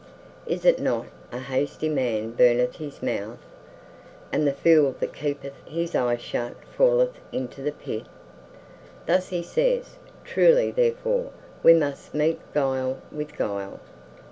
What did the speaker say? Is it not 'A hasty man burneth his mouth, and the fool that keepeth his eyes shut falleth into the pit'? Thus he says, truly, therefore we must meet guile with guile.